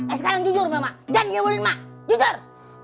eh sekarang jujur emak jangan nyebulin emak jujur